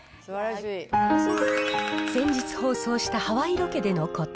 先日放送したハワイロケでのこと。